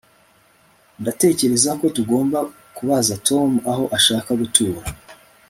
Ndatekereza ko tugomba kubaza Tom aho ashaka gutura